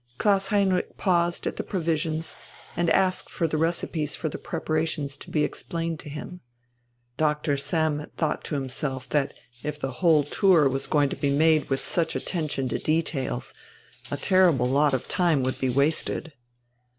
Klaus Heinrich paused at the provisions and asked for the recipes for the preparations to be explained to him. Doctor Sammet thought to himself that if the whole tour was going to be made with such attention to details, a terrible lot of time would be wasted.